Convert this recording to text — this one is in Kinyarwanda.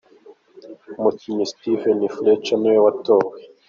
Umukinnyi Steven Fletcher ni we watowe.